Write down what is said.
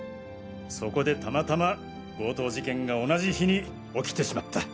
そこでたまたま強盗事件が同じ日に起きてしまった。